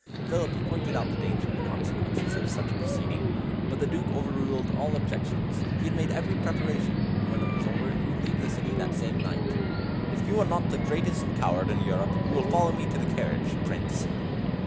Philip pointed out the danger and consequences of such a proceeding, but the Duke overruled all objections. He had made every preparation, and when it was over he would leave the city that same night. "If you are not the greatest coward in Europe, you will follow me to the carriage Prince!"